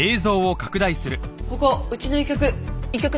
ここうちの医局。